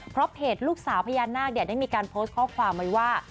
เพราะเพจลูกสาวพญานาคได้มีการโพสต์ข้อความไว้ว่า